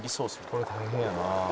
「これ大変やな」